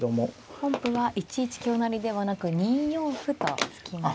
本譜は１一香成ではなく２四歩と突きました。